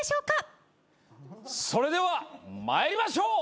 それでは参りましょう。